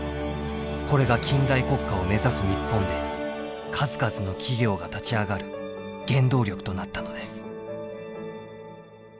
これが近代国家を目指す日本で数々の企業が立ち上がる原動力となったのです。